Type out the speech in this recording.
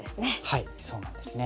はいそうなんですね。